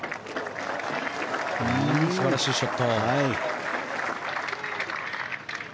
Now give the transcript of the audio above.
素晴らしいショット。